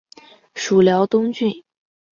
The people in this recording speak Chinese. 属辽东郡。